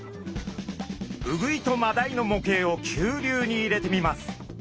ウグイとマダイの模型を急流に入れてみます。